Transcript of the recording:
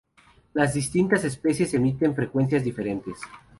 Las distintas especies emiten frecuencias diferentes.